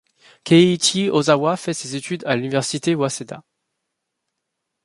Keiichi Ozawa fait ses études à l'université Waseda.